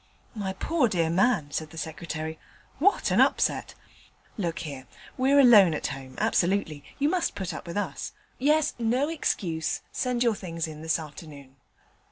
'My poor dear man,' said the Secretary, 'what an upset! Look here: we're alone at home, absolutely. You must put up with us. Yes! no excuse: send your things in this afternoon.'